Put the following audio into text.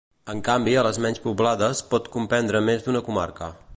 En canvi a les menys poblades pot comprendre més d'una comarca.